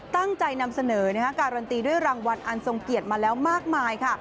ตั้งใจนำเสนอการันตีด้วยรางวัลอันทรงเกียรติมาแล้วมากมายค่ะ